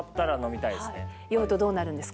酔うとどうなるんですか？